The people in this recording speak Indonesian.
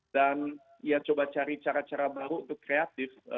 dan coba cari cara cara baru untuk kreatif